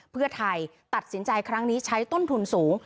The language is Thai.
เพื่อไทยตัดสินใจครั้งนี้ใช้ต้นทุนสูง